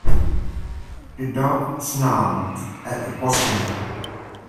The dog snarled at the postman.